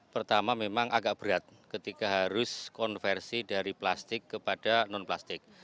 pertama memang agak berat ketika harus konversi dari plastik kepada non plastik